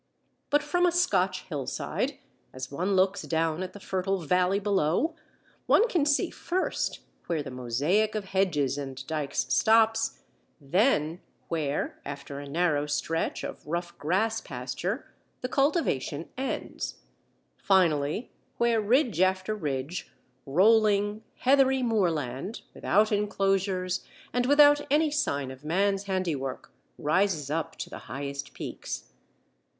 But from a Scotch hillside, as one looks down at the fertile valley below, one can see first where the mosaic of hedges and dykes stops, then where, after a narrow stretch of rough grass pasture, the cultivation ends; finally, where, ridge after ridge, rolling, heathery moorland, without enclosures and without any sign of man's handiwork, rises up to the highest peaks.